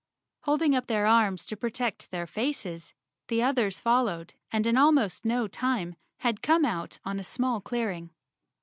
Holding up their arms to protect their faces, the others followed and in almost no time had come out on a small clearing.